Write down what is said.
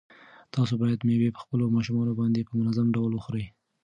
تاسو باید مېوې په خپلو ماشومانو باندې په منظم ډول وخورئ.